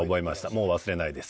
もう忘れないです。